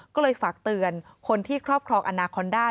ก็เลยฝากเตือนคนที่ครอบครองอนาคอนด้า